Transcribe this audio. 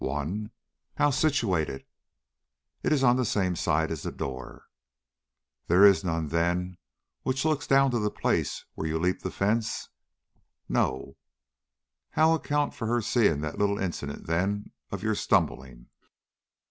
"One." "How situated?" "It is on the same side as the door." "There is none, then, which looks down to that place where you leaped the fence?" "No." "How account for her seeing that little incident, then, of your stumbling?"